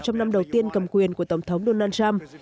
trong năm đầu tiên cầm quyền của tổng thống donald trump